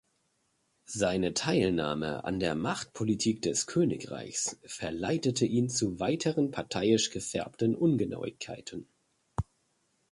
Seine Teilnahme an der Machtpolitik des Königreichs verleitete ihn zu weiteren parteiisch gefärbten Ungenauigkeiten.